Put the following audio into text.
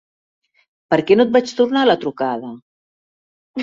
Per què no et vaig tornar la trucada?